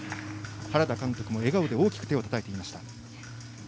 原田監督も笑顔で大きく手をたたいていました。